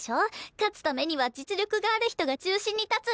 勝つためには実力がある人が中心に立つ。